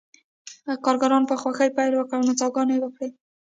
کارګرانو په خوښۍ پیل وکړ او نڅاګانې یې وکړې